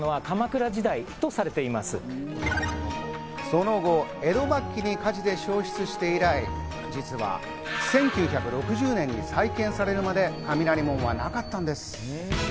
その後、江戸末期に火事で焼失して以来、実は１９６０年に再建されるまで、雷門はなかったんです。